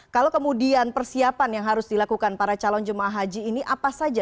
kalau kemudian persiapan yang harus dilakukan para calon jemaah haji ini apa saja